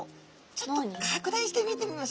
ちょっと拡大して見てみましょう。